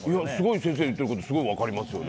先生の言ってることすごい分かりますよね。